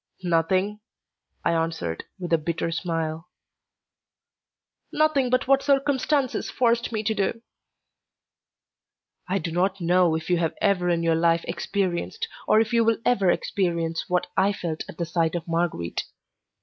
"Nothing?" I answered, with a bitter smile. "Nothing but what circumstances forced me to do." I do not know if you have ever in your life experienced, or if you will ever experience, what I felt at the sight of Marguerite.